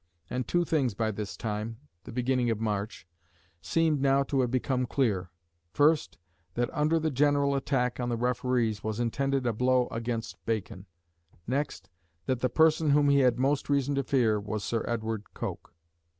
And two things by this time the beginning of March seemed now to have become clear, first, that under the general attack on the referees was intended a blow against Bacon; next, that the person whom he had most reason to fear was Sir Edward Coke.